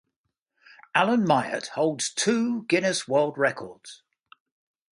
Alan Myatt holds two Guinness World Records.